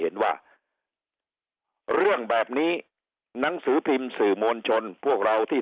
เห็นว่าเรื่องแบบนี้หนังสือพิมพ์สื่อมวลชนพวกเราที่